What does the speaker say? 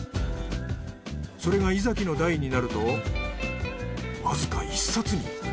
それが井崎の代になるとわずか１冊に。